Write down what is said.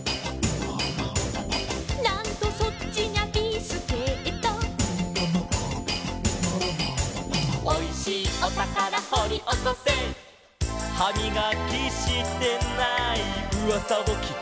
「なんとそっちにゃビスケット」「おいしいおたからほりおこせ」「はみがきしてないうわさをきけば」